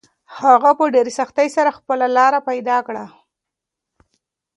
هغه په ډېرې سختۍ سره خپله لاره پیدا کړه.